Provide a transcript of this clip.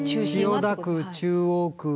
千代田区中央区港